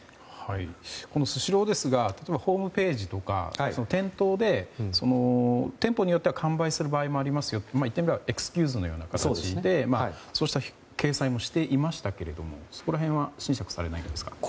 スシローですがホームページとか店頭で店舗によっては完売する場合がありますよと言ってみればエクスキューズのような形でそうした掲載もしていましたがそこら辺は審査されないんですか？